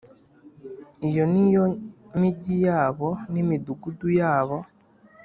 Iyo ni yo migi yabo n imidugudu yayo